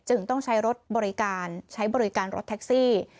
ต้องใช้รถบริการใช้บริการรถแท็กซี่